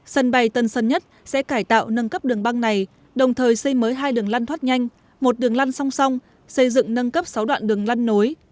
sân bay tân sơn nhất sẽ cải tạo nâng cấp đường băng này đồng thời xây mới hai đường lăn thoát nhanh một đường lăn song song xây dựng nâng cấp sáu đoạn đường lăn nối